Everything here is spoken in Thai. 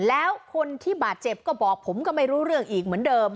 แล้วคนที่บาดเจ็บก็บอกผมก็ไม่รู้เรื่องอีกเหมือนเดิม